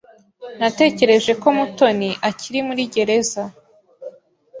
Natekereje ko Mutoni akiri muri gereza.